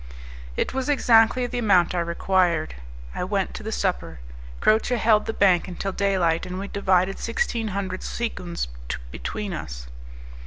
It was exactly the amount I required. I went to the supper; Croce held the bank until daylight, and we divided sixteen hundred sequins between us.